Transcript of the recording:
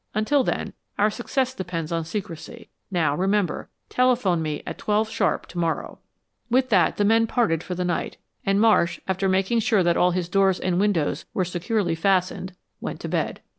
Until then, our success depends on secrecy. Now, remember, telephone me at twelve sharp tomorrow." With that, the men parted for the night and Marsh, after making sure that all his doors and windows were securely fastened, went to bed.